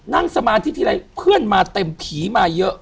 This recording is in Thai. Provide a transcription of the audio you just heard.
นั่งสมาธิทีไรเพื่อนมาเต็มผีมาเยอะ